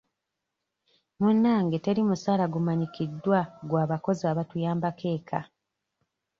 Munnange teri musaala gumanyikiddwa gwa bakozi abatuyambako eka.